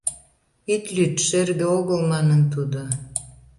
— Ит лӱд, шерге огыл, — манын тудо.